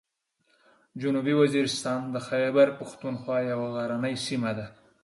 جنوبي وزیرستان د خیبر پښتونخوا یوه غرنۍ سیمه ده.